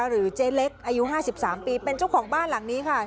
หรือเจ๊เล็กอายุ๕๓ปีเป็นเจ้าของบ้านหลังนี้ค่ะ